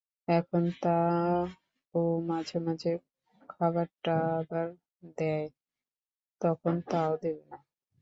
এখন তা-ও মাঝে-মাঝে খাবারটাবার দেয়-তখন তা-ও দেবে না।